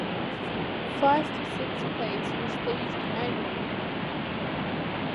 Five to six plays were staged annually.